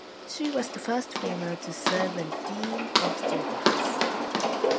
She was the first female to serve as Dean of Students.